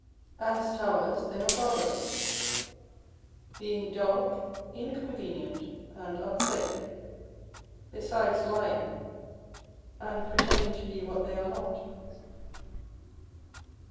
As towers they are barbarous, being dark, inconvenient, and unsafe, besides lying, and pretending to be what they are not.